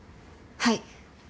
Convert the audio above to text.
はい。